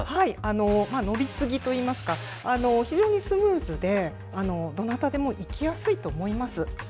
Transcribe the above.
乗り継ぎといいますか、非常にスムーズで、どなたでも行きやすいと思います。